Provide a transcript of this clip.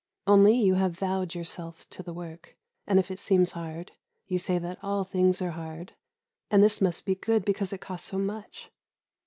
Only you have vowed yourself to the work, and, if it seems hard, you say that all things are hard, and this must be good because it costs so much.